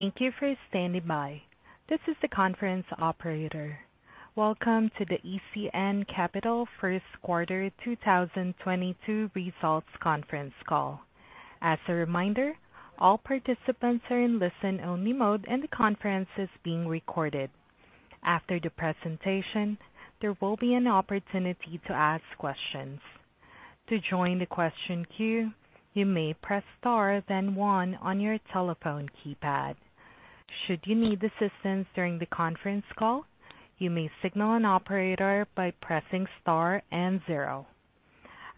Thank you for standing by. This is the conference operator. Welcome to the ECN Capital first quarter 2022 results conference call. As a reminder, all participants are in listen-only mode, and the conference is being recorded. After the presentation, there will be an opportunity to ask questions. To join the question queue, you may press star then one on your telephone keypad. Should you need assistance during the conference call, you may signal an operator by pressing star and zero.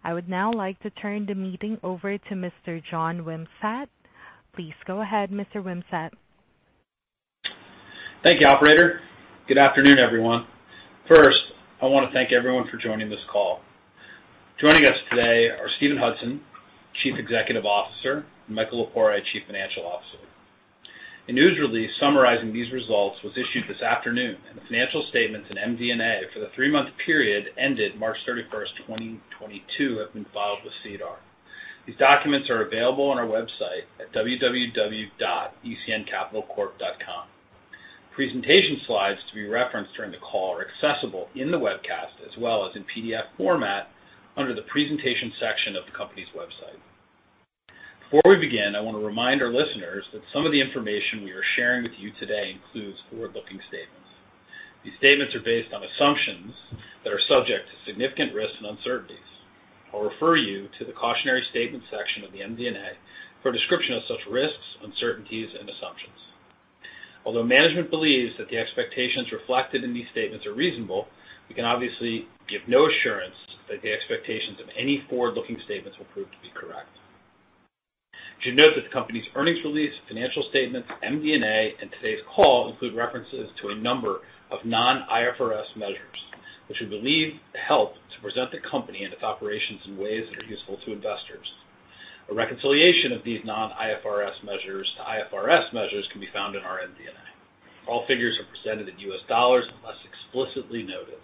I would now like to turn the meeting over to Mr. John Wimsatt. Please go ahead, Mr. Wimsatt. Thank you, operator. Good afternoon, everyone. First, I want to thank everyone for joining this call. Joining us today are Steven Hudson, Chief Executive Officer, and Michael Lepore, Chief Financial Officer. A news release summarizing these results was issued this afternoon, and the financial statements and MD&A for the three-month period ended March 31st, 2022, have been filed with SEDAR. These documents are available on our website at www.ecncapitalcorp.com. Presentation slides to be referenced during the call are accessible in the webcast as well as in PDF format under the presentations section of the company's website. Before we begin, I want to remind our listeners that some of the information we are sharing with you today includes forward-looking statements. These statements are based on assumptions that are subject to significant risks and uncertainties. I'll refer you to the cautionary statements section of the MD&A for a description of such risks, uncertainties, and assumptions. Although management believes that the expectations reflected in these statements are reasonable, we can obviously give no assurance that the expectations of any forward-looking statements will prove to be correct. You should note that the company's earnings release, financial statements, MD&A, and today's call include references to a number of non-IFRS measures, which we believe help to present the company and its operations in ways that are useful to investors. A reconciliation of these non-IFRS measures to IFRS measures can be found in our MD&A. All figures are presented in US dollars unless explicitly noted.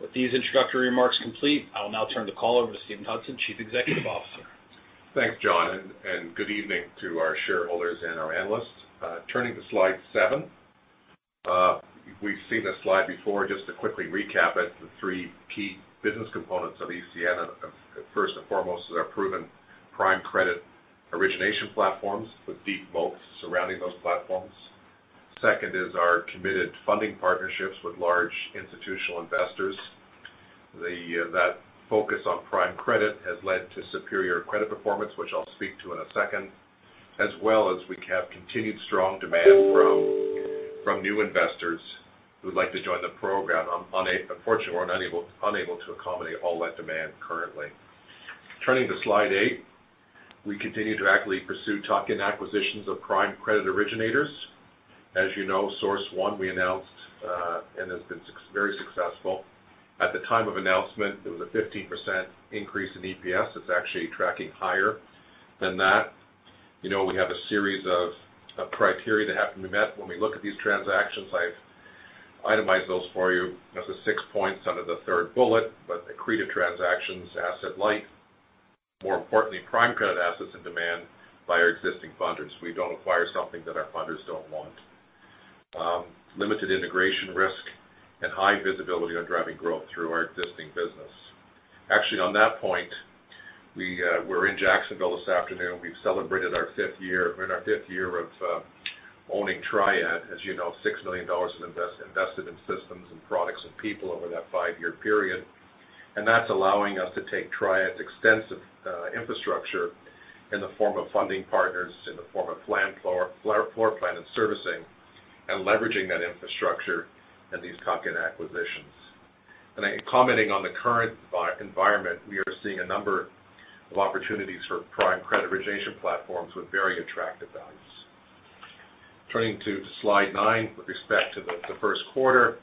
With these introductory remarks complete, I will now turn the call over to Steven Hudson, Chief Executive Officer. Thanks, John, and good evening to our shareholders and our analysts. Turning to slide seven. We've seen this slide before. Just to quickly recap it, the three key business components of ECN are, first and foremost, our proven prime credit origination platforms with deep moats surrounding those platforms. Second is our committed funding partnerships with large institutional investors. That focus on prime credit has led to superior credit performance, which I'll speak to in a second. As well as we have continued strong demand from new investors who would like to join the program. Unfortunately, we're unable to accommodate all that demand currently. Turning to slide eight. We continue to actively pursue tuck-in acquisitions of prime credit originators. As you know, Source One we announced, and has been very successful. At the time of announcement, it was a 15% increase in EPS. It's actually tracking higher than that. We have a series of criteria that have to be met when we look at these transactions. I've itemized those for you as the six points under the third bullet. Accretive transactions, asset light, more importantly, prime credit assets and demand by our existing funders. We don't acquire something that our funders don't want. Limited integration risk and high visibility on driving growth through our existing business. Actually, on that point, we were in Jacksonville this afternoon. We've celebrated our fifth year. We're in our fifth year of owning Triad. As you know, $6 million invested in systems and products and people over that five-year period. That's allowing us to take Triad's extensive infrastructure in the form of funding partners, in the form of floor plan and servicing, and leveraging that infrastructure in these tuck-in acquisitions. I think commenting on the current environment, we are seeing a number of opportunities for prime credit origination platforms with very attractive values. Turning to slide nine. With respect to the first quarter,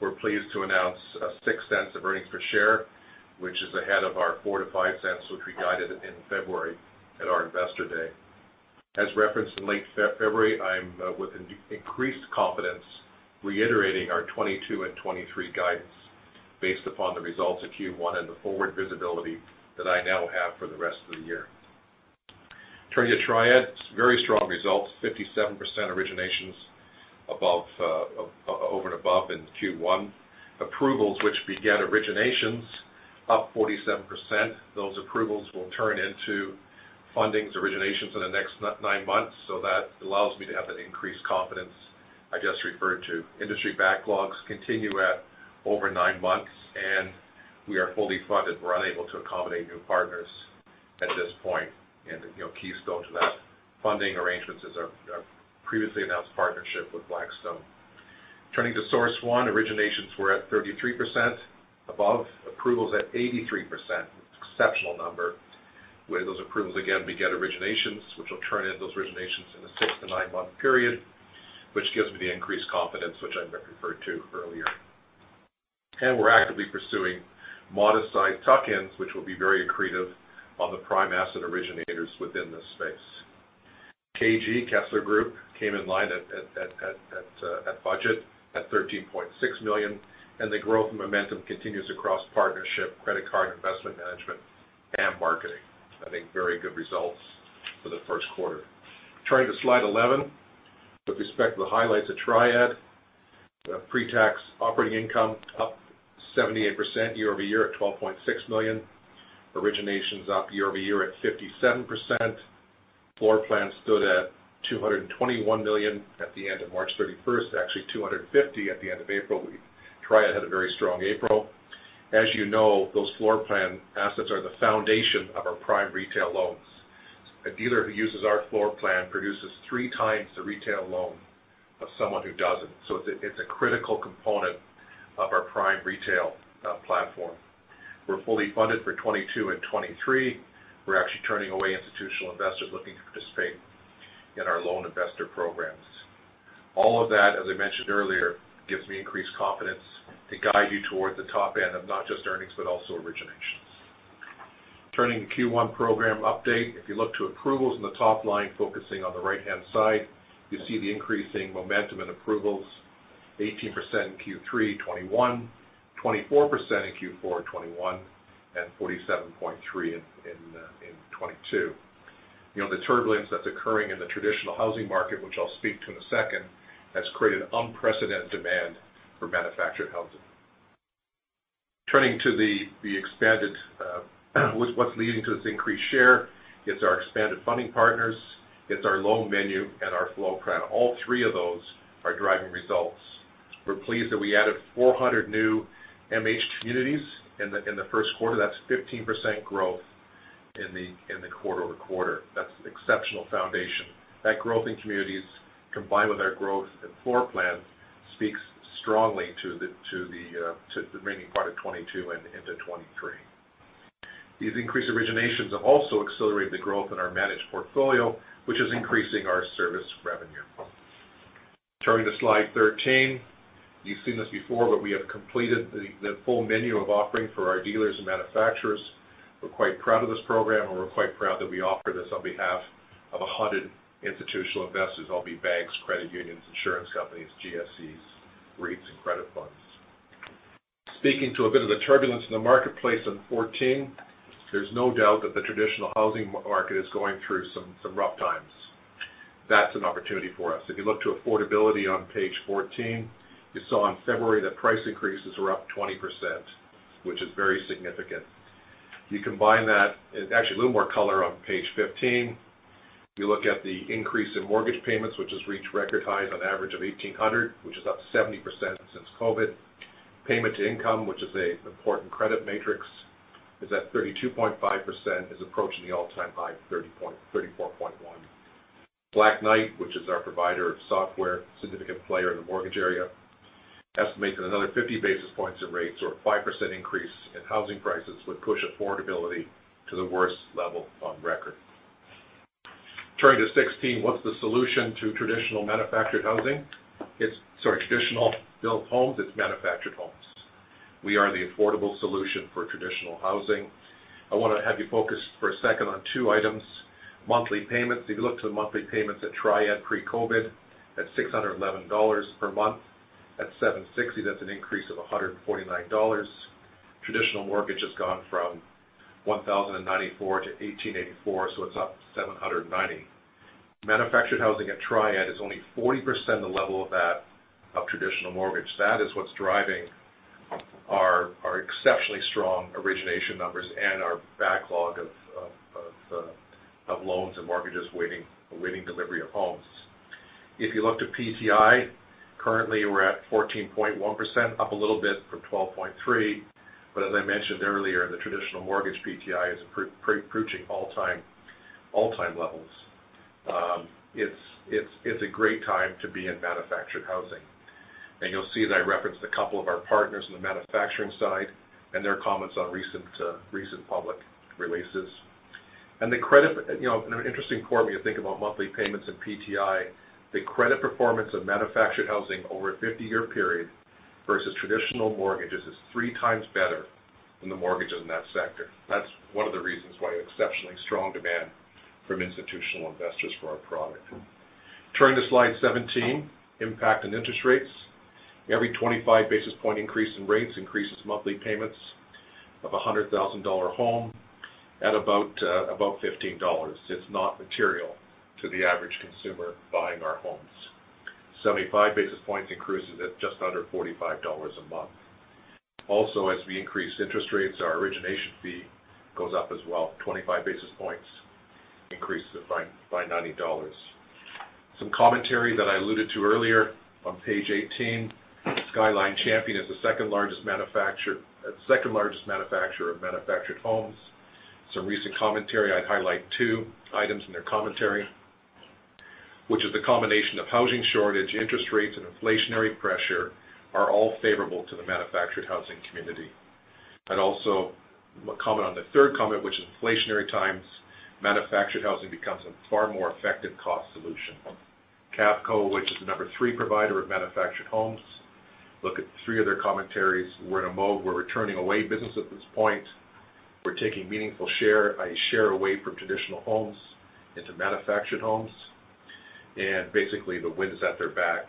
we're pleased to announce $0.06 of earnings per share, which is ahead of our $0.04-$0.05, which we guided in February at our Investor Day. As referenced in late February, I'm with increased confidence reiterating our 2022 and 2023 guidance based upon the results of Q1 and the forward visibility that I now have for the rest of the year. Turning to Triad. Very strong results. 57% originations over and above in Q1. Approvals which beget originations up 47%. Those approvals will turn into fundings, originations in the next nine months. That allows me to have that increased confidence I just referred to. Industry backlogs continue at over nine months, and we are fully funded. We're unable to accommodate new partners at this point. Key still to that funding arrangements is our previously announced partnership with Blackstone. Turning to Source One. Originations were at 33% above approvals at 83%, an exceptional number. With those approvals, again, beget originations, which will turn in those originations in a six to nine-month period, which gives me the increased confidence which I referred to earlier. We're actively pursuing modest-sized tuck-ins, which will be very accretive on the prime asset originators within this space. KG, Kessler Group, came in line at budget at $13.6 million, and the growth momentum continues across partnership, credit card, investment management, and marketing. I think very good results for the first quarter. Turning to slide 11. With respect to the highlights of Triad, the pre-tax operating income up 78% year-over-year at $12.6 million. Originations up year-over-year at 57%. Floor plan stood at $221 million at the end of March 31st, actually $250 at the end of April. As you know, those floor plan assets are the foundation of our prime retail loans. A dealer who uses our floor plan produces three times the retail loan of someone who doesn't. It's a critical component of our prime retail platform. We're fully funded for 2022 and 2023. We're actually turning away institutional investors looking to participate in our loan investor programs. All of that, as I mentioned earlier, gives me increased confidence to guide you toward the top end of not just earnings, but also originations. Turning to Q1 program update. If you look to approvals in the top line, focusing on the right-hand side, you see the increasing momentum in approvals, 18% in Q3 2021, 24% in Q4 2021, and 47.3% in 2022. The turbulence that's occurring in the traditional housing market, which I'll speak to in a second, has created unprecedented demand for manufactured housing. Turning to what's leading to this increased share. It's our expanded funding partners, it's our loan menu, and our floor plan. All three of those are driving results. We're pleased that we added 400 new MH communities in the first quarter. That's 15% growth in the quarter-over-quarter. That's exceptional foundation. That growth in communities, combined with our growth in floor plans, speaks strongly to the remaining part of 2022 and into 2023. These increased originations have also accelerated the growth in our managed portfolio, which is increasing our service revenue. Turning to slide 13. You've seen this before, but we have completed the full menu of offering for our dealers and manufacturers. We are quite proud of this program, and we are quite proud that we offer this on behalf of 100 institutional investors, albeit banks, credit unions, insurance companies, GSEs, REITs, and credit funds. Speaking to a bit of the turbulence in the marketplace on 14. There is no doubt that the traditional housing market is going through some rough times. That is an opportunity for us. If you look to affordability on page 14, you saw in February that price increases are up 20%, which is very significant. Actually a little more color on page 15. If you look at the increase in mortgage payments, which has reached record highs on average of 1,800, which is up 70% since COVID. Payment to income, which is a important credit metric, is at 32.5%, is approaching the all-time high of 34.1%. Black Knight, which is our provider of software, significant player in the mortgage area, estimates another 50 basis points in rates or a 5% increase in housing prices would push affordability to the worst level on record. Turning to 16. What's the solution to traditional manufactured housing? Sorry, traditional built homes? It's manufactured homes. We are the affordable solution for traditional housing. I want to have you focus for a second on two items. Monthly payments. If you look to the monthly payments at Triad pre-COVID at $611 per month. At $760, that's an increase of $149. Traditional mortgage has gone from $1,094-$1,884, it's up $790. Manufactured housing at Triad is only 40% the level of that traditional mortgage. That is what's driving our exceptionally strong origination numbers and our backlog of loans and mortgages awaiting delivery of homes. If you look to PTI, currently we're at 14.1%, up a little bit from 12.3%. As I mentioned earlier, the traditional mortgage PTI is approaching all-time levels. It's a great time to be in manufactured housing. You'll see that I referenced a couple of our partners on the manufacturing side and their comments on recent public releases. An interesting point when you think about monthly payments and PTI, the credit performance of manufactured housing over a 50-year period versus traditional mortgages is three times better than the mortgages in that sector. That's one of the reasons why exceptionally strong demand from institutional investors for our product. Turning to slide 17, impact on interest rates. Every 25 basis point increase in rates increases monthly payments of a $100,000 home at about $15. It's not material to the average consumer buying our homes. 75 basis points increases it at just under $45 a month. Also, as we increase interest rates, our origination fee goes up as well. 25 basis points increases it by $90. Some commentary that I alluded to earlier on page 18. Skyline Champion is the second-largest manufacturer of manufactured homes. Some recent commentary. I highlight two items in their commentary, which is the combination of housing shortage, interest rates, and inflationary pressure are all favorable to the manufactured housing community. Also, a comment on the third comment, which is inflationary times, manufactured housing becomes a far more effective cost solution. Cavco, which is the number three provider of manufactured homes. Look at three of their commentaries. We're in a mode. We're turning away business at this point. We're taking meaningful share by share away from traditional homes into manufactured housing. Basically, the wind is at their back.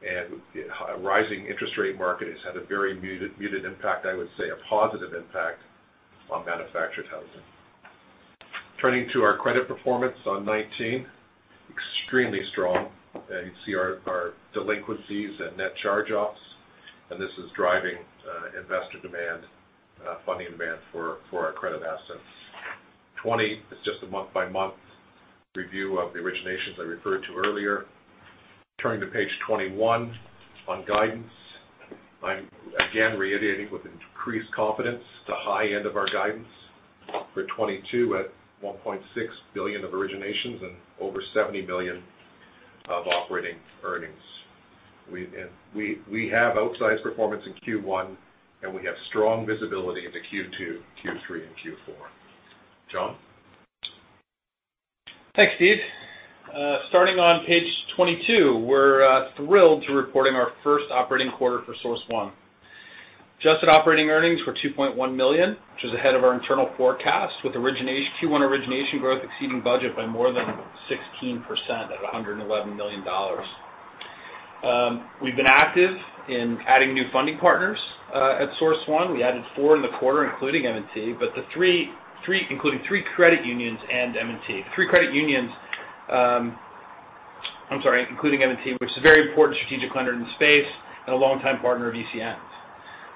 The rising interest rate market has had a very muted impact, I would say, a positive impact on manufactured housing. Turning to our credit performance on 2019, extremely strong. You see our delinquencies and net charge-offs. This is driving investor demand, funding demand for our credit assets. 2020 is just a month-by-month review of the originations I referred to earlier. Turning to page 21 on guidance. I'm again reiterating with increased confidence the high end of our guidance for 2022 at 1.6 billion of originations and over 70 million of operating earnings. We have outsized performance in Q1. We have strong visibility into Q2, Q3, and Q4. John? Thanks, Steve. Starting on page 22, we're thrilled to reporting our first operating quarter for Source One. Adjusted operating earnings were $2.1 million, which is ahead of our internal forecast, with Q1 origination growth exceeding budget by more than 16% at $111 million. We've been active in adding new funding partners at Source One. We added four in the quarter, including M&T, including three credit unions and M&T. Including M&T, which is a very important strategic lender in the space and a longtime partner of ECN's.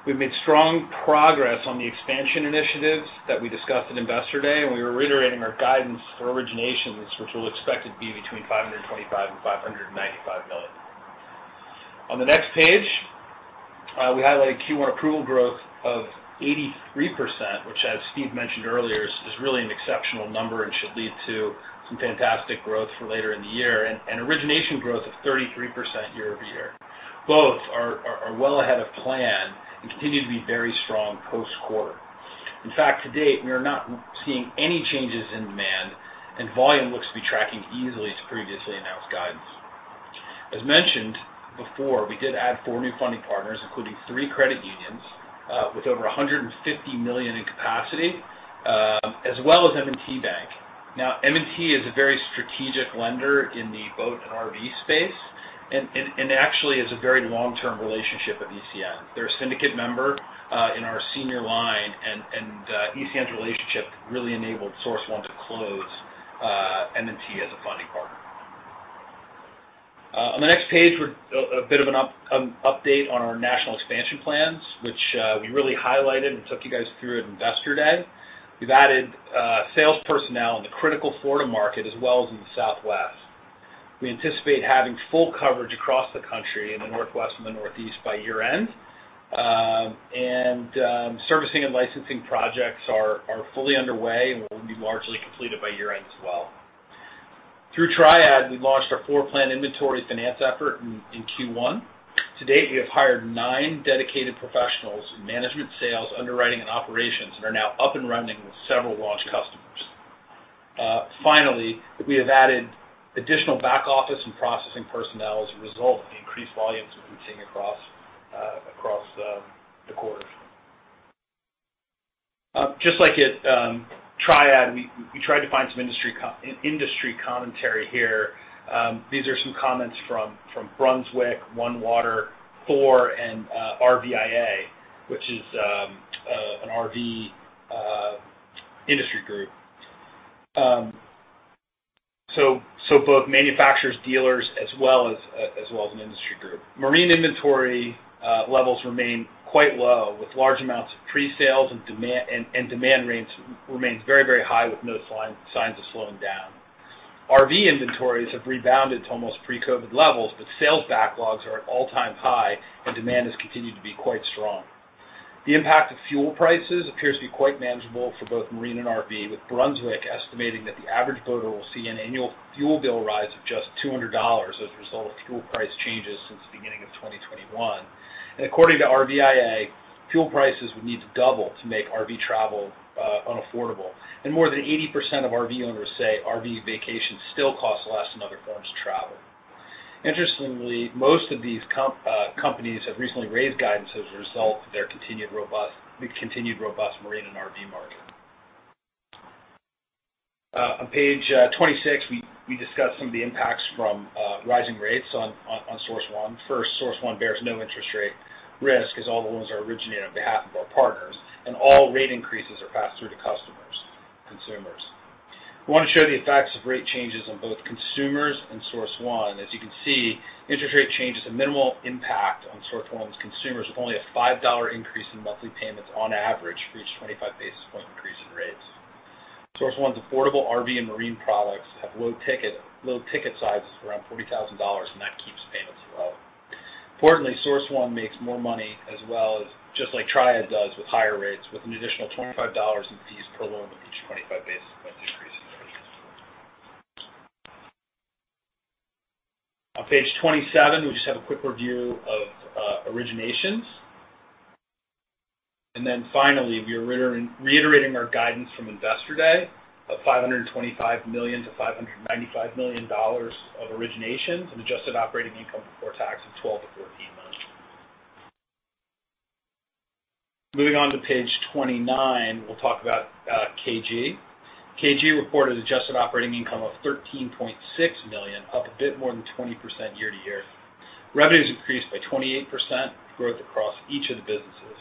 We've made strong progress on the expansion initiatives that we discussed at Investor Day, and we are reiterating our guidance for originations, which we'll expect to be between $525 million and $595 million. On the next page, we highlight Q1 approval growth of 83%, which, as Steve mentioned earlier, is really an exceptional number and should lead to some fantastic growth for later in the year, and origination growth of 33% year-over-year. Both are well ahead of plan and continue to be very strong post-quarter. In fact, to date, we are not seeing any changes in demand, and volume looks to be tracking easily to previously announced guidance. As mentioned before, we did add four new funding partners, including three credit unions, with over 150 million in capacity, as well as M&T Bank. Now, M&T is a very strategic lender in the boat and RV space and actually is a very long-term relationship of ECN. They're a syndicate member in our senior line, and ECN's relationship really enabled Source One to close M&T as a funding partner. On the next page, a bit of an update on our national expansion plans, which we really highlighted and took you guys through at Investor Day. We've added sales personnel in the critical Florida market as well as in the Southwest. We anticipate having full coverage across the country in the Northwest and the Northeast by year-end. Servicing and licensing projects are fully underway and will be largely completed by year-end as well. Through Triad, we launched our floor plan inventory finance effort in Q1. To date, we have hired nine dedicated professionals in management, sales, underwriting, and operations and are now up and running with several launched customers. Finally, we have added additional back office and processing personnel as a result of the increased volumes that we've been seeing across the quarters. Just like at Triad, we tried to find some industry commentary here. These are some comments from Brunswick, OneWater, Thor, and RVIA, which is an RV industry group. Both manufacturers, dealers, as well as an industry group. Marine inventory levels remain quite low with large amounts of pre-sales. Demand remains very high with no signs of slowing down. RV inventories have rebounded to almost pre-COVID levels, but sales backlogs are at all-time high, and demand has continued to be quite strong. The impact of fuel prices appears to be quite manageable for both marine and RV, with Brunswick estimating that the average boater will see an annual fuel bill rise of just $200 as a result of fuel price changes since the beginning of 2021. According to RVIA, fuel prices would need to double to make RV travel unaffordable. More than 80% of RV owners say RV vacations still cost less than other forms of travel. Interestingly, most of these companies have recently raised guidance as a result of the continued robust marine and RV market. On page 26, we discuss some of the impacts from rising rates on Source One. First, Source One bears no interest rate risk as all the loans are originated on behalf of our partners, and all rate increases are passed through to consumers. We want to show the effects of rate changes on both consumers and Source One. As you can see, interest rate change has a minimal impact on Source One's consumers, with only a $5 increase in monthly payments on average for each 25 basis point increase in rates. Source One's affordable RV and marine products have low ticket sizes around $40,000, and that keeps payments low. Importantly, Source One makes more money as well, just like Triad does with higher rates, with an additional $25 in fees per loan with each 25 basis point increase in rates. On page 27, we just have a quick review of originations. Finally, we are reiterating our guidance from Investor Day of $525 million-$595 million of originations and adjusted operating income before tax of $12 million-$14 million. Moving on to page 29, we'll talk about KG. KG reported adjusted operating income of $13.6 million, up a bit more than 20% year-to-year. Revenues increased by 28% with growth across each of the businesses.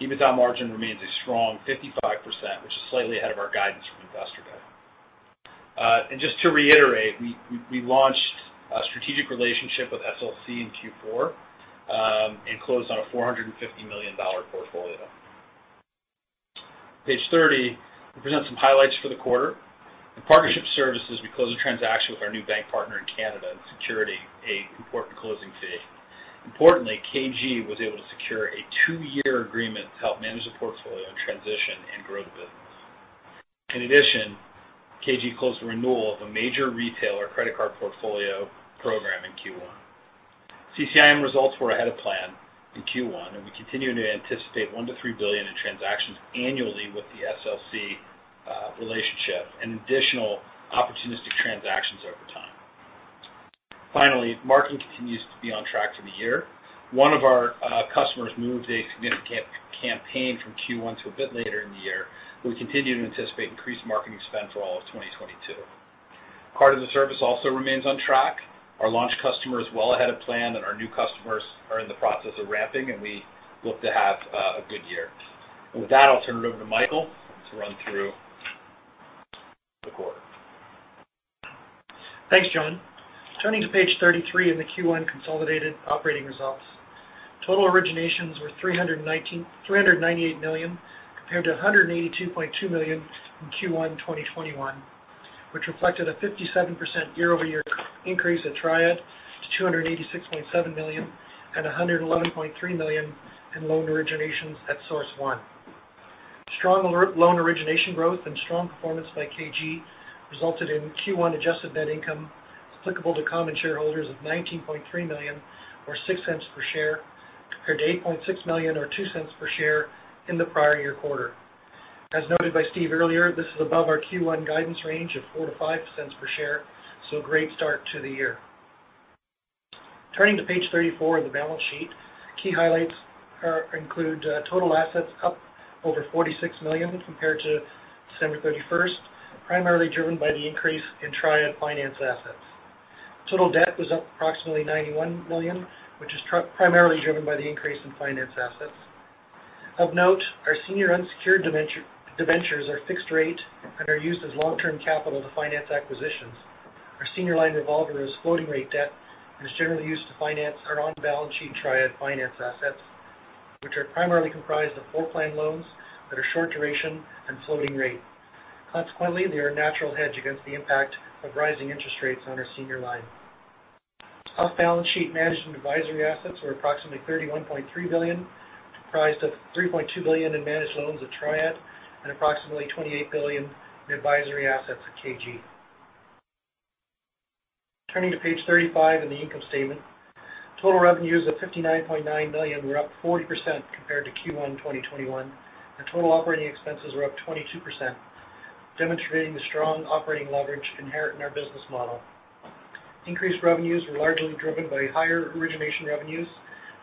EBITDA margin remains a strong 55%, which is slightly ahead of our guidance from Investor Day. Just to reiterate, we launched a strategic relationship with SLC in Q4 and closed on a $450 million portfolio. Page 30, we present some highlights for the quarter. In partnership services, we closed a transaction with our new bank partner in Canada and secured a important closing fee. Importantly, KG was able to secure a two-year agreement to help manage the portfolio in transition and grow the business. In addition, KG closed the renewal of a major retailer credit card portfolio program in Q1. CCIM results were ahead of plan in Q1, and we continue to anticipate $1 billion-$3 billion in transactions annually with the SLC relationship and additional opportunistic transactions over time. Finally, marketing continues to be on track for the year. One of our customers moved a significant gift campaign from Q1 to a bit later in the year, but we continue to anticipate increased marketing expense for all of 2022. Card Services also remains on track. Our launch customer is well ahead of plan, and our new customers are in the process of ramping, and we look to have a good year. With that, I'll turn it over to Michael to run through the quarter. Thanks, John. Turning to page 33 in the Q1 consolidated operating results. Total originations were 398 million compared to 182.2 million in Q1 2021, which reflected a 57% year-over-year increase at Triad to 286.7 million and 111.3 million in loan originations at Source One. Strong loan origination growth and strong performance by KG resulted in Q1 adjusted net income applicable to common shareholders of 19.3 million or 0.06 per share compared to 8.6 million or 0.02 per share in the prior year quarter. As noted by Steve earlier, this is above our Q1 guidance range of 0.04 to 0.05 per share, so a great start to the year. Turning to page 34 in the balance sheet. Key highlights include total assets up over 46 million compared to December 31st, primarily driven by the increase in Triad Financial Services assets. Total debt was up approximately 91 million, which is primarily driven by the increase in finance assets. Of note, our senior unsecured debentures are fixed-rate and are used as long-term capital to finance acquisitions. Our senior line of revolver is floating-rate debt and is generally used to finance our on-balance sheet Triad Finance assets, which are primarily comprised of floor plan loans that are short duration and floating-rate. Consequently, they are a natural hedge against the impact of rising interest rates on our senior line. Off-balance sheet managed and advisory assets were approximately 31.3 billion, comprised of 3.2 billion in managed loans at Triad and approximately 28 billion in advisory assets at KG. Turning to page 35 in the income statement. Total revenues of 59.9 million were up 40% compared to Q1 2021, and total operating expenses were up 22%, demonstrating the strong operating leverage inherent in our business model. Increased revenues were largely driven by higher origination revenues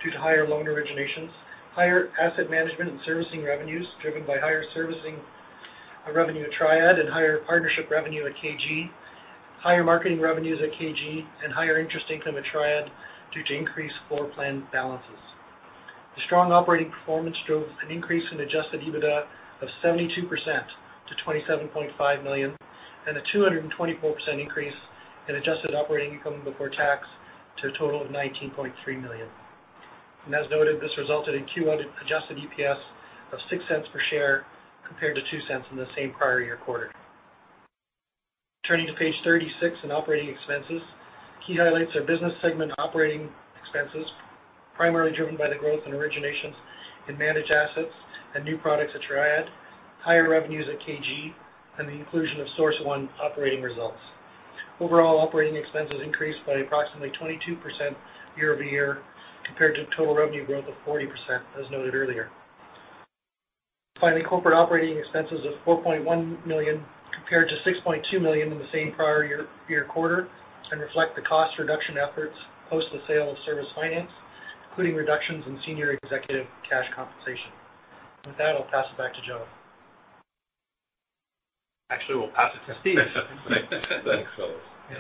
due to higher loan originations, higher asset management and servicing revenues driven by higher servicing revenue at Triad and higher partnership revenue at KG, higher marketing revenues at KG, and higher interest income at Triad due to increased floor plan balances. The strong operating performance drove an increase in adjusted EBITDA of 72% to $27.5 million and a 224% increase in adjusted operating income before tax to a total of $19.3 million. As noted, this resulted in Q1 adjusted EPS of $0.06 per share compared to $0.02 in the same prior year quarter. Turning to page 36 in operating expenses. Key highlights are business segment operating expenses, primarily driven by the growth in originations in managed assets and new products at Triad, higher revenues at KG, and the inclusion of Source One operating results. Overall operating expenses increased by approximately 22% year-over-year compared to total revenue growth of 40%, as noted earlier. Corporate operating expenses of $4.1 million compared to $6.2 million in the same prior year quarter and reflect the cost reduction efforts post the sale of Service Finance, including reductions in senior executive cash compensation. With that, I'll pass it back to John. Actually, we'll pass it to Steve. Thanks, fellas. Yeah.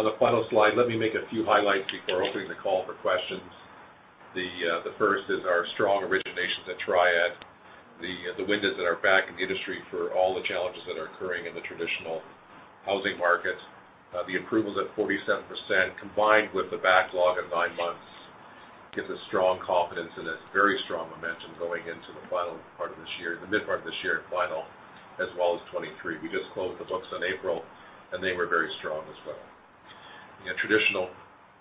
On the final slide, let me make a few highlights before opening the call for questions. The first is our strong originations at Triad. The wind at our back in the industry for all the challenges that are occurring in the traditional housing markets. The approvals at 47%, combined with the backlog at nine months, gives us strong confidence and a very strong momentum going into the final part of this year, the mid part of this year, final as well as 2023. We just closed the books on April, and they were very strong as well.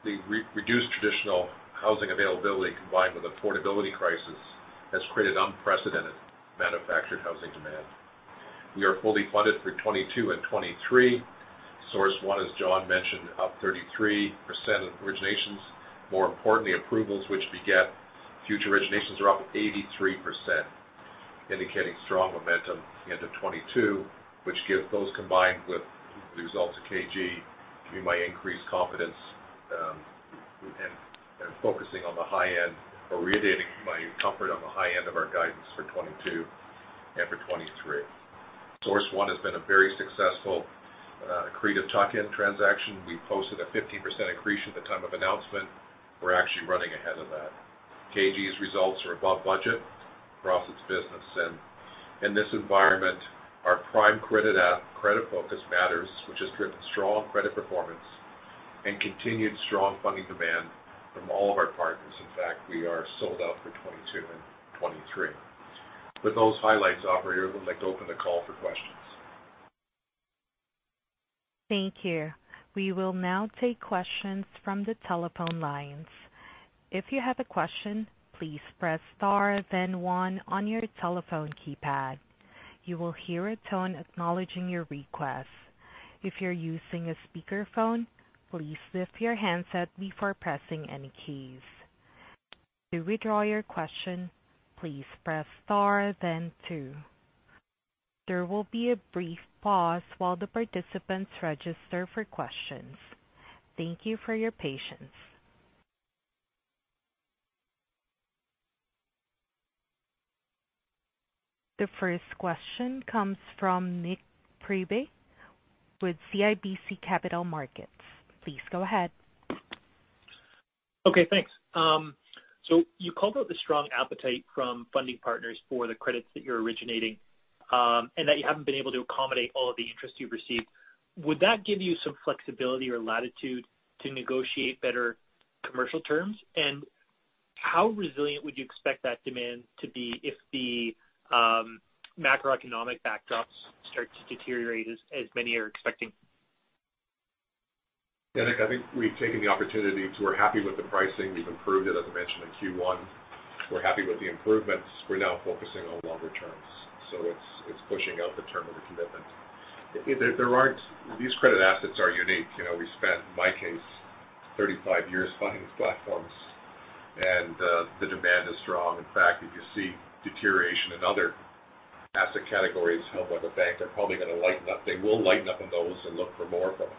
The reduced traditional housing availability combined with affordability crisis has created unprecedented manufactured housing demand. We are fully funded through 2022 and 2023. Source One, as John mentioned, up 33% in originations. More importantly, approvals which beget future originations are up 83%. Indicating strong momentum into 2022, which give those combined with the results of KG, give my increased confidence in focusing on the high end or reiterating my comfort on the high end of our guidance for 2022 and for 2023. Source One has been a very successful accretive tuck-in transaction. We posted a 15% accretion at the time of announcement. We're actually running ahead of that. KG's results are above budget across its business. In this environment, our prime credit focus matters, which has driven strong credit performance and continued strong funding demand from all of our partners. In fact, we are sold out for 2022 and 2023. With those highlights, operator, we'd like to open the call for questions. The first question comes from Nik Priebe with CIBC Capital Markets. Please go ahead. Okay, thanks. You called out the strong appetite from funding partners for the credits that you're originating, and that you haven't been able to accommodate all of the interest you've received. Would that give you some flexibility or latitude to negotiate better commercial terms? How resilient would you expect that demand to be if the macroeconomic backdrops start to deteriorate as many are expecting? Nik, I think we're happy with the pricing. We've improved it, as I mentioned, in Q1. We're happy with the improvements. We're now focusing on longer terms. It's pushing out the term of the commitment. These credit assets are unique. We spent, my case, 35 years funding these platforms. The demand is strong. In fact, if you see deterioration in other asset categories held by the bank, they're probably going to lighten up. They will lighten up on those and look for more of us.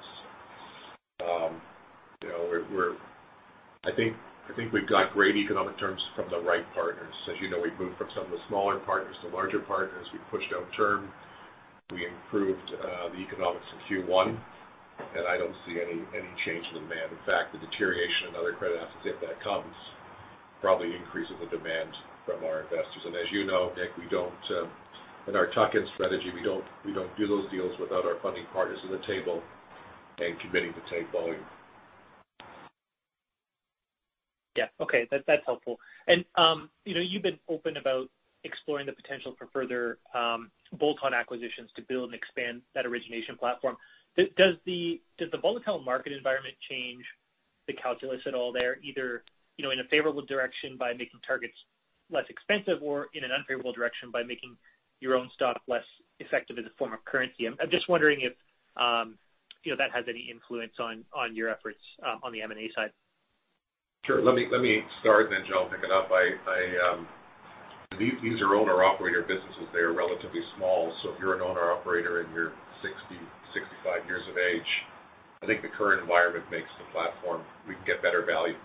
I think we've got great economic terms from the right partners. As you know, we've moved from some of the smaller partners to larger partners. We've pushed out term. We improved the economics in Q1. I don't see any change in demand. In fact, the deterioration in other credit assets, if that comes, probably increases the demand from our investors. As you know, Nik, in our tuck-in strategy, we don't do those deals without our funding partners at the table and committing to take volume. Yeah. Okay. That's helpful. You've been open about exploring the potential for further bolt-on acquisitions to build and expand that origination platform. Does the volatile market environment change the calculus at all there, either in a favorable direction by making targets less expensive or in an unfavorable direction by making your own stock less effective as a form of currency? I'm just wondering if that has any influence on your efforts on the M&A side. Sure. Let me start, then John can pick it up. These are owner/operator businesses. They are relatively small. If you're an owner/operator and you're 60, 65 years of age, I think the current environment makes the platform We can get better value.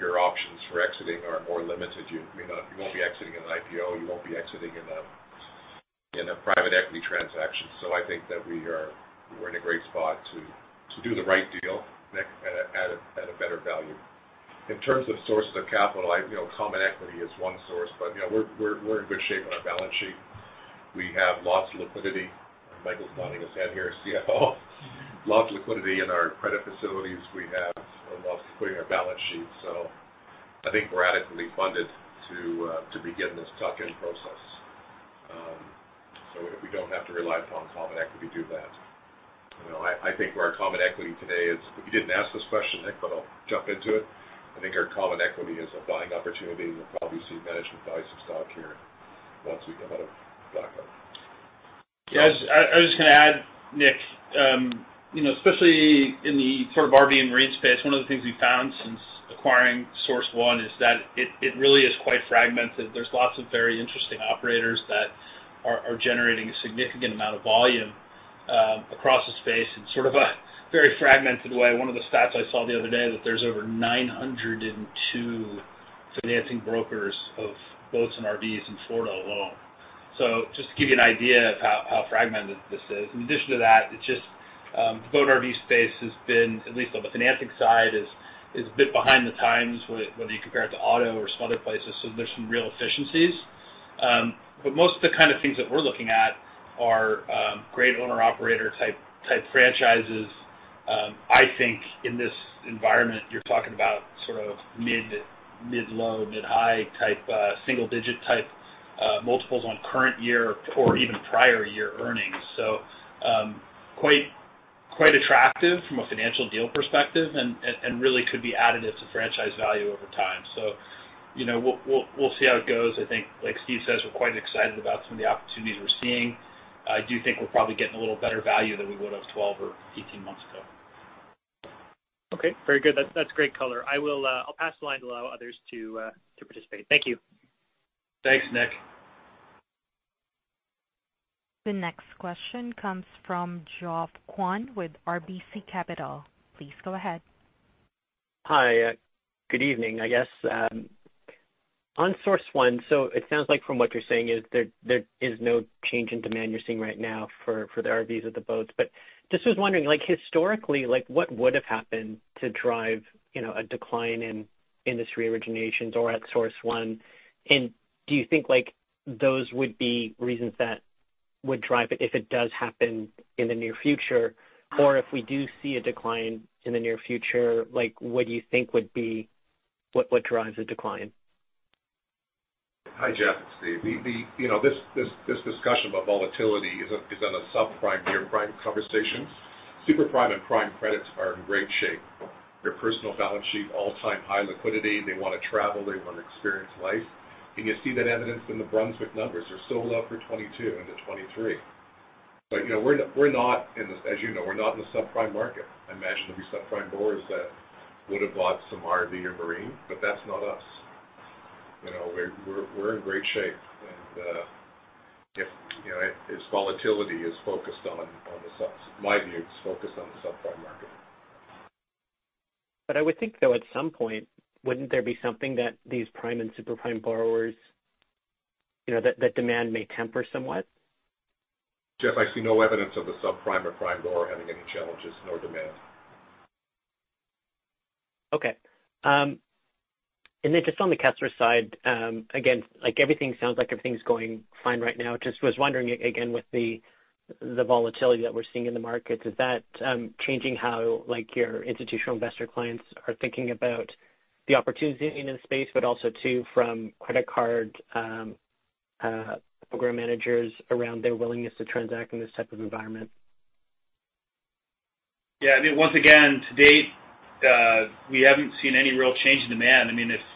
Your options for exiting are more limited. You won't be exiting in an IPO. You won't be exiting in a private equity transaction. I think that we're in a great spot to do the right deal, Nik, at a better value. In terms of sources of capital, common equity is one source, but we're in good shape on our balance sheet. We have lots of liquidity. Michael's nodding his head here, CFO. Lots of liquidity in our credit facilities. We have lots of liquidity in our balance sheet. I think we're adequately funded to begin this tuck-in process. We don't have to rely upon common equity to do that. You didn't ask this question, Nik, but I'll jump into it. I think our common equity is a buying opportunity, and you'll probably see management buy some stock here once we come out of blackout. Yeah. I was just going to add, Nik, especially in the sort of RV and marine space, one of the things we've found since acquiring Source One is that it really is quite fragmented. There's lots of very interesting operators that are generating a significant amount of volume across the space in sort of a very fragmented way. One of the stats I saw the other day that there's over 902 financing brokers of boats and RVs in Florida alone. Just to give you an idea of how fragmented this is. In addition to that, it's just boat and RV space has been, at least on the financing side, is a bit behind the times, whether you compare it to auto or some other places. There's some real efficiencies. Most of the kind of things that we're looking at are great owner/operator type franchises. I think in this environment, you're talking about sort of mid low, mid high type, single digit type multiples on current year or even prior year earnings. Quite attractive from a financial deal perspective and really could be additive to franchise value over time. We'll see how it goes. I think, like Steve says, we're quite excited about some of the opportunities we're seeing. I do think we're probably getting a little better value than we would have 12 or 18 months ago. Okay, very good. That's great color. I'll pass the line to allow others to participate. Thank you. Thanks, Nik. The next question comes from Geoff Kwan with RBC Capital. Please go ahead. Hi. Good evening, I guess. On Source One, it sounds like from what you're saying is there is no change in demand you're seeing right now for the RVs or the boats. Just was wondering, historically, what would have happened to drive a decline in industry originations or at Source One? Do you think those would be reasons that would drive it if it does happen in the near future? If we do see a decline in the near future, what do you think would drive the decline? Hi, Geoff. This discussion about volatility is a subprime, near-prime conversation. Super prime and prime credits are in great shape. Your personal balance sheet all-time high liquidity. They want to travel. They want to experience life. You see that evidence in the Brunswick numbers. They're still up for 2022 into 2023. As you know, we're not in the subprime market. I imagine there'll be subprime borrowers that would have bought some RV or marine, but that's not us. We're in great shape and its volatility, in my view, is focused on the subprime market. I would think, though, at some point, wouldn't there be something that these prime and super prime borrowers, that demand may temper somewhat? Geoff, I see no evidence of a subprime or prime borrower having any challenges, nor demand. Okay. Then, just on the Kessler side, again, everything sounds like everything's going fine right now. Just was wondering, again, with the volatility that we're seeing in the markets, is that changing how your institutional investor clients are thinking about the opportunity in this space, also too from credit card program managers around their willingness to transact in this type of environment? Once again, to date, we haven't seen any real change in demand.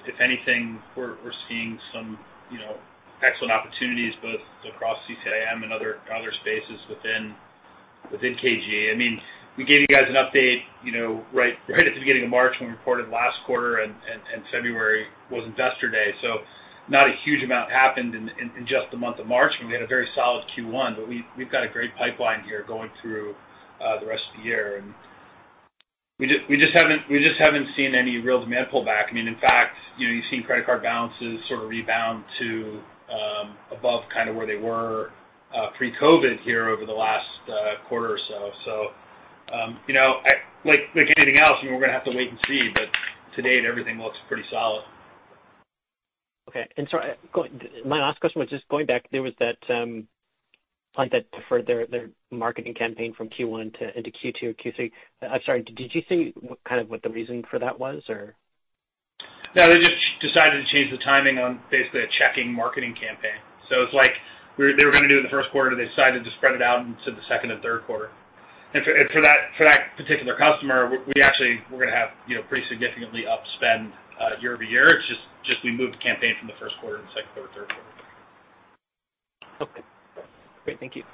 If anything, we're seeing some excellent opportunities both across CCIM and other spaces within KG. We gave you guys an update right at the beginning of March when we reported last quarter. February was Investor Day. Not a huge amount happened in just the month of March. We've had a very solid Q1, we've got a great pipeline here going through the rest of the year. We just haven't seen any real demand pullback. In fact, you've seen credit card balances sort of rebound to above where they were pre-COVID here over the last quarter or so. Like anything else, we're going to have to wait and see, to date, everything looks pretty solid. Okay. Sorry, my last question was just going back to that point that deferred their marketing campaign from Q1 into Q2 or Q3. Sorry, did you say what the reason for that was or? No, they just decided to change the timing on basically a checking marketing campaign. It's like they were going to do the first quarter. They decided to spread it out into the second and third quarter. For that particular customer, we actually were going to have pretty significantly up spend year-over-year. It's just we moved the campaign from the first quarter to the second quarter, third quarter. Okay. Great. Thank you.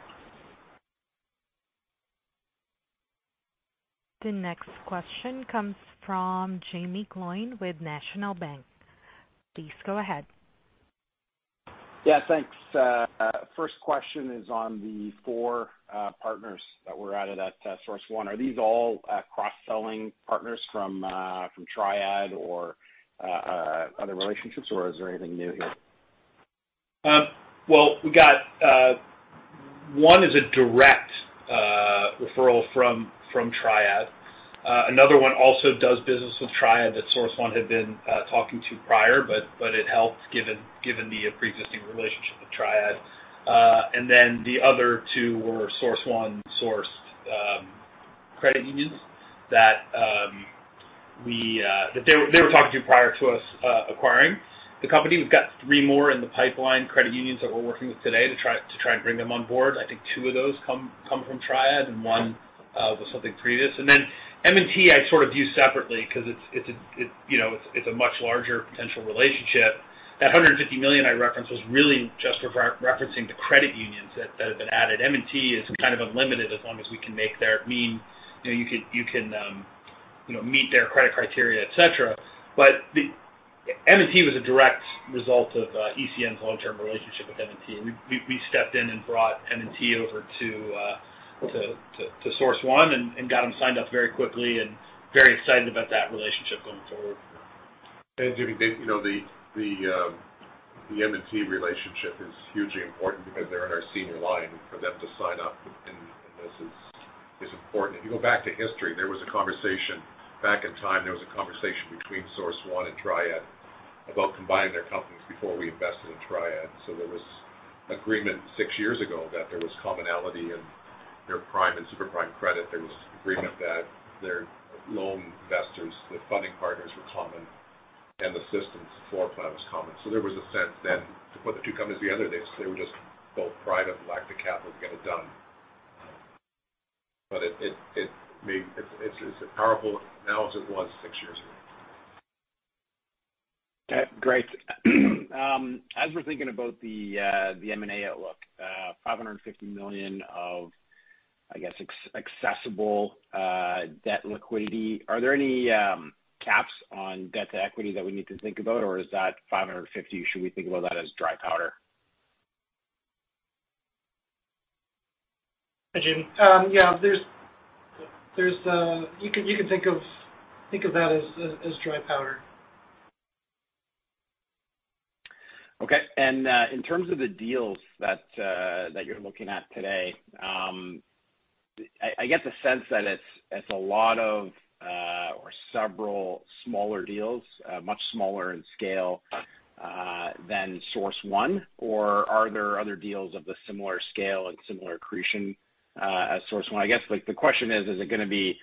The next question comes from Jaeme Gloyn with National Bank. Please go ahead. Yeah. Thanks. First question is on the four partners that were added at Source One. Are these all cross-selling partners from Triad or other relationships, or is there anything new here? Well, one is a direct referral from Triad. Another one also does business with Triad that Source One had been talking to prior, but it helped given the preexisting relationship with Triad. The other two were Source One-sourced credit unions that they were talking to prior to us acquiring the company. We've got three more in the pipeline, credit unions that we're working with today to try and bring them on board. I think two of those come from Triad and one was something previous. M&T I sort of view separately because it's a much larger potential relationship. That 150 million I referenced was really just referencing the credit unions that have been added. M&T is kind of unlimited as long as you can meet their credit criteria, et cetera. M&T was a direct result of ECN's long-term relationship with M&T. We stepped in and brought M&T over to Source One and got them signed up very quickly and very excited about that relationship going forward. Jaeme, the M&T relationship is hugely important because they're in our senior line. For them to sign up in this is important. If you go back to history, there was a conversation back in time, there was a conversation between Source One and Triad about combining their companies before we invested in Triad. There was agreement six years ago that there was commonality in their prime and super prime credit. There was agreement that their loan investors, the funding partners were common, and the systems for prime was common. There was a sense then to put the two companies together, they just needed both private equity capital to get it done. It's a powerful analogy once six years. Great. As we're thinking about the M&A outlook, 550 million of, I guess, accessible debt liquidity. Are there any caps on debt to equity that we need to think about, or is that 550? Should we think about that as dry powder? Hi, Jaeme. Yeah, you can think of that as dry powder. Okay. In terms of the deals that you're looking at today, I get the sense that it's a lot of, or several smaller deals, much smaller in scale than Source One. Are there other deals of a similar scale and similar accretion as Source One? I guess the question is it going to be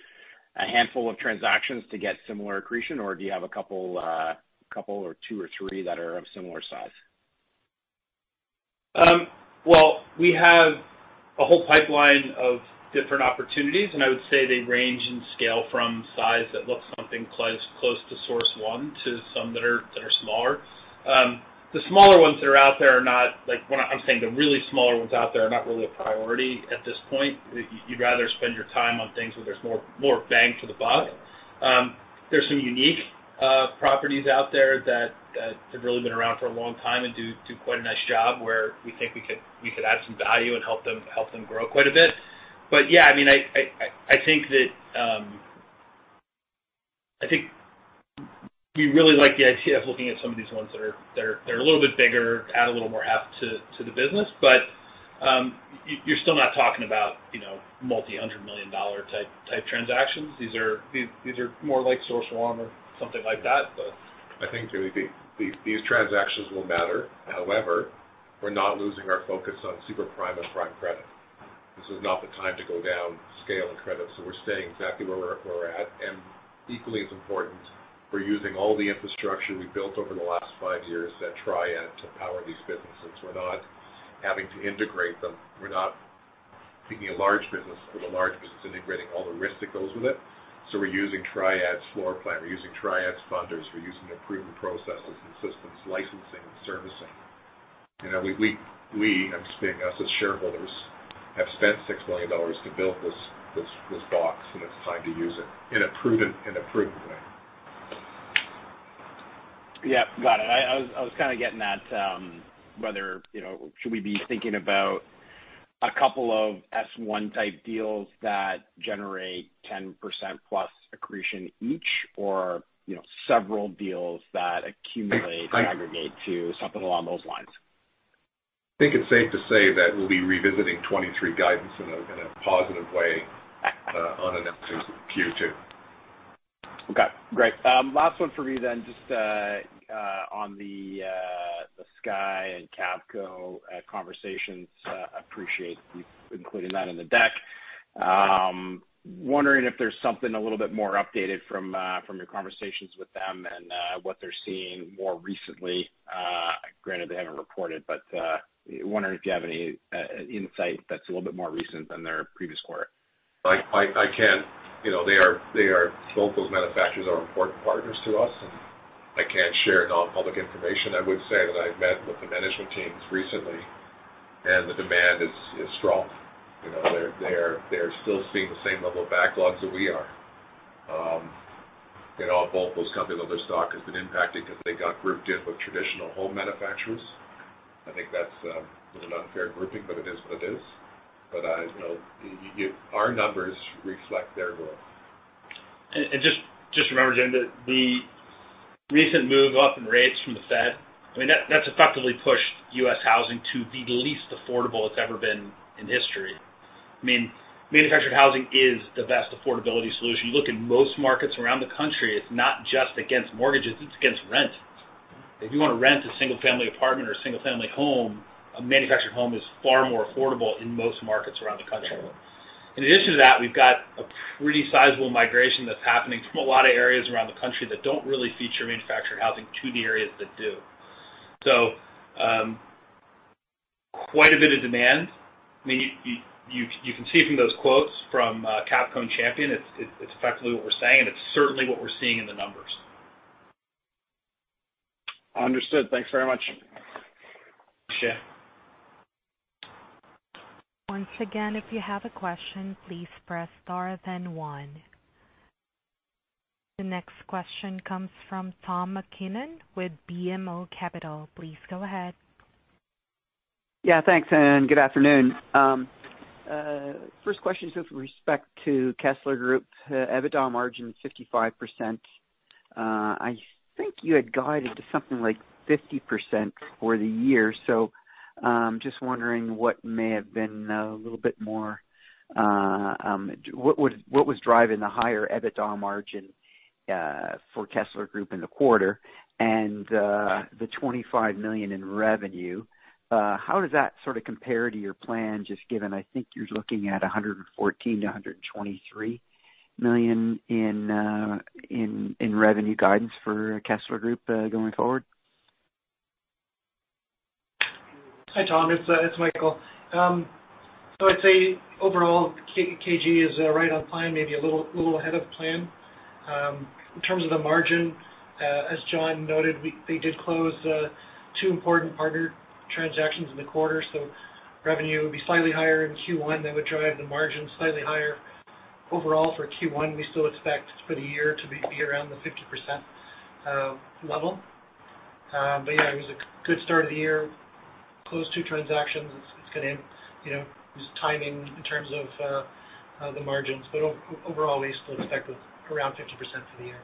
a handful of transactions to get similar accretion, or do you have a couple or two or three that are of similar size? Well, we have a whole pipeline of different opportunities, and I would say they range in scale from size that looks something close to Source One to some that are smaller. The smaller ones that are out there, I'm saying the really smaller ones out there are not really a priority at this point. You'd rather spend your time on things where there's more bang for the buck. There are some unique properties out there that have really been around for a long time and do quite a nice job where we think we could add some value and help them grow quite a bit. Yeah, I think we really like the idea of looking at some of these ones that are a little bit bigger, add a little more heft to the business. You're still not talking about multi-100-million-dollar type transactions. These are more like Source One or something like that. I think these transactions will matter. However, we're not losing our focus on super prime and prime credit. This is not the time to go down the scale in credit. We're staying exactly where we're at. Equally as important, we're using all the infrastructure we've built over the last five years at Triad to power these businesses. We're not having to integrate them. We're not taking a large business with a large business, integrating all the risk that goes with it. We're using Triad's floor plan, we're using Triad's funders, we're using the proven processes and systems, licensing, and servicing. We, I'm just saying us as shareholders, have spent $6 million to build this box, and it's time to use it in a proven way. Yeah, got it. I was kind of getting that, should we be thinking about a couple of S1 type deals that generate 10%+ accretion each or several deals that accumulate and aggregate to something along those lines? I think it's safe to say that we'll be revisiting 2023 guidance in a positive way on our next Q2. Okay, great. Last one for me, just on the Sky and Cavco conversations, appreciate you including that in the deck. Wondering if there's something a little bit more updated from your conversations with them and what they're seeing more recently. Granted, they haven't reported, wondering if you have any insight that's a little bit more recent than their previous quarter. Both those manufacturers are important partners to us, and I can't share non-public information. I would say that I've met with the management teams recently, and the demand is strong. They're still seeing the same level of backlogs that we are. Both those companies, although their stock has been impacted because they got grouped in with traditional home manufacturers. I think that's an unfair grouping, but it is what it is. Our numbers reflect their growth. Just remember, Jaeme, that the recent move up in rates from the Fed, that's effectively pushed U.S. housing to the least affordable it's ever been in history. Manufactured housing is the best affordability solution. You look in most markets around the country, it's not just against mortgages, it's against rent. If you want to rent a single-family apartment or a single-family home, a manufactured home is far more affordable in most markets around the country. In addition to that, we've got a pretty sizable migration that's happening from a lot of areas around the country that don't really feature manufactured housing to the areas that do. Quite a bit of demand. You can see from those quotes from Cavco and Champion, it's effectively what we're saying. It's certainly what we're seeing in the numbers. Understood. Thanks very much. Appreciate it. Once again, if you have a question, please press star, then one. The next question comes from Tom MacKinnon with BMO Capital. Please go ahead. Thanks, and good afternoon. First question is with respect to Kessler Group. EBITDA margin is 55%. I think you had guided to something like 50% for the year. Just wondering what was driving the higher EBITDA margin for Kessler Group in the quarter and the $25 million in revenue. How does that sort of compare to your plan, just given I think you're looking at $114 million-$123 million in revenue guidance for Kessler Group going forward? Hi, Tom, it's Michael. I'd say overall, KG is right on plan, maybe a little ahead of plan. In terms of the margin, as John noted, they did close two important partner transactions in the quarter, revenue would be slightly higher in Q1. That would drive the margin slightly higher overall for Q1. We still expect for the year to be around the 50% level. Yeah, it was a good start of the year. Close two transactions, it's timing in terms of the margins, overall, we still expect around 50% for the year.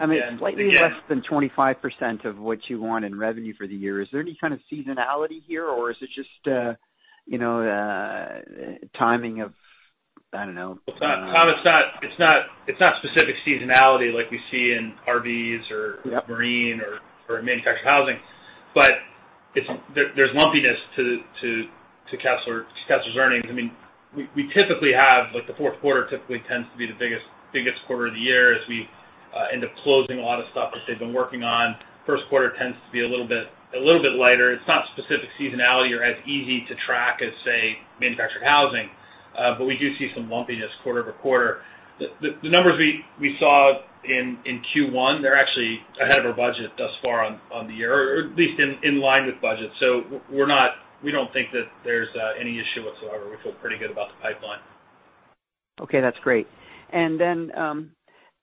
I mean, slightly less than 25% of what you want in revenue for the year. Is there any kind of seasonality here, or is it just timing of, I don't know? Tom, it's not specific seasonality like we see in RVs marine or manufactured housing. There's lumpiness to Kessler's earnings. We typically have the fourth quarter tends to be the biggest quarter of the year as we end up closing a lot of stuff that they've been working on. First quarter tends to be a little bit lighter. It's not specific seasonality or as easy to track as, say, manufactured housing. We do see some lumpiness quarter over quarter. The numbers we saw in Q1, they're actually ahead of our budget thus far on the year, or at least in line with budget. We don't think that there's any issue whatsoever. We feel pretty good about the pipeline. Okay, that's great.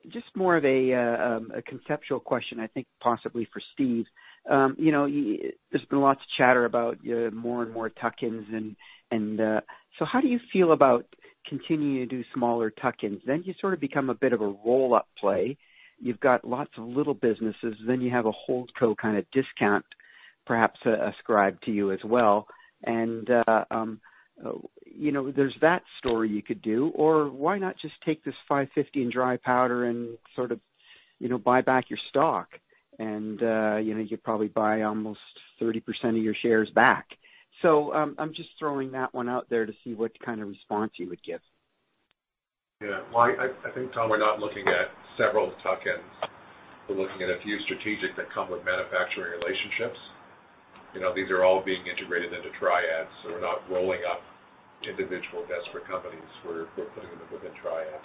Just more of a conceptual question, I think possibly for Steve. There's been lots of chatter about more and more tuck-ins, how do you feel about continuing to do smaller tuck-ins? You sort of become a bit of a roll-up play. You've got lots of little businesses, you have a holdco kind of discount perhaps ascribed to you as well. There's that story you could do or why not just take this 550 in dry powder and sort of buy back your stock, and you'd probably buy almost 30% of your shares back. I'm just throwing that one out there to see what kind of response you would give. Well, I think, Tom, we're not looking at several tuck-ins. We're looking at a few strategic that come with manufacturing relationships. These are all being integrated into Triad, so we're not rolling up individual disparate companies. We're putting them within Triad.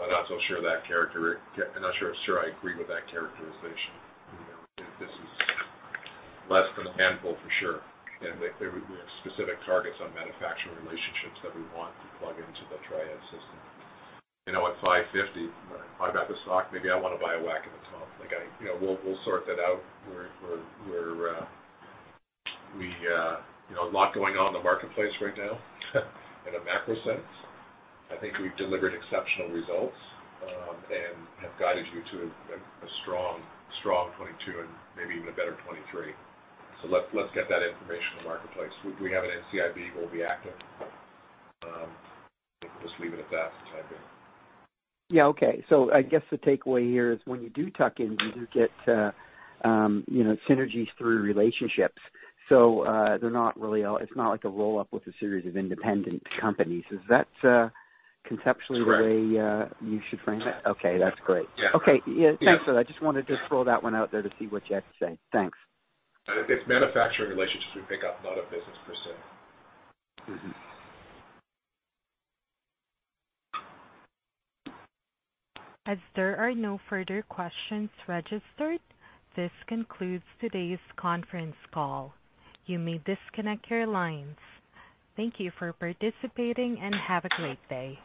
I'm not so sure I agree with that characterization. This is less than a handful for sure, and there would be specific targets on manufacturing relationships that we want to plug into the Triad system. At 550, if I got the stock, maybe I want to buy a whack of the top. We'll sort that out. A lot going on in the marketplace right now in a macro sense. I think we've delivered exceptional results, and have guided you to a strong 2022 and maybe even a better 2023. Let's get that information in the marketplace. We have an NCIB. We'll be active. We'll just leave it at that for the time being. Yeah, okay. I guess the takeaway here is when you do tuck-in, you do get synergies through relationships. It's not like a roll-up with a series of independent companies. Is that conceptually- Correct. the way you should frame it? Yeah. Okay, that's great. Yeah. Okay. Thanks for that. I just wanted to throw that one out there to see what you had to say. Thanks. It's manufacturing relationships we pick up, not a business per se. As there are no further questions registered, this concludes today's conference call. You may disconnect your lines. Thank you for participating and have a great day.